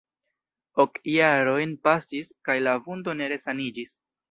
Ok jarojn pasis, kaj la vundo ne resaniĝis.